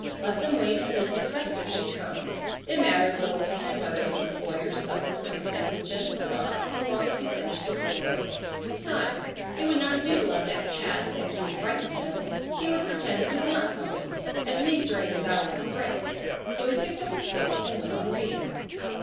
Let them wait till his successor should come. It mattered little to him whether his employers suffered for his negligence or not so long as he finished his story. Besides, it would not do to let that cad think he had frightened him. He would pretend he was not going, at least during his hours of grace. So he picked up his book and went on reading.